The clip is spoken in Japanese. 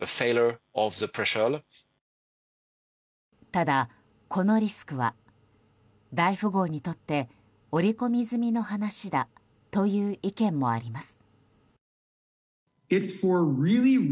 ただ、このリスクは大富豪にとって織り込み済みの話だという意見もあります。